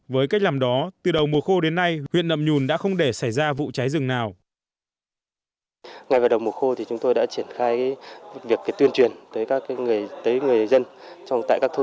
với cách làm đó từ đầu mùa khô đến nay huyện nậm nhùn đã không để xảy ra vụ cháy rừng nào